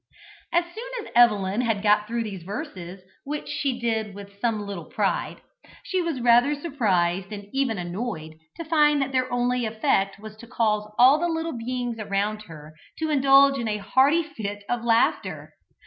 As soon as Evelyn had got through these verses, which she did with some little pride, she was rather surprised and even annoyed to find that their only effect was to cause all the little beings around her to indulge in a hearty fit of laughter.